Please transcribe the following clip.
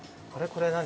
これ何？